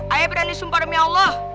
ayo berani sumpah demi allah